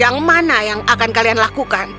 yang mana yang akan kalian lakukan